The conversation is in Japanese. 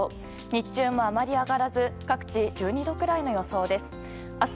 日中も、あまり上がらず各地１２度くらいの予想です。